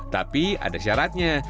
tapi ada syaratnya